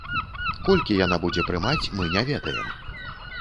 Колькі яна будзе прымаць, мы не ведаем.